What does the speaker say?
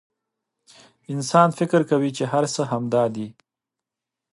انسان فکر کوي چې هر څه همدا دي.